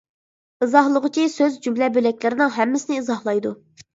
ئىزاھلىغۇچى سۆز جۈملە بۆلەكلىرىنىڭ ھەممىسىنى ئىزاھلايدۇ.